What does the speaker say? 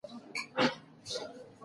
که اوسپنه وي نو مقناطیس نه ناکامیږي.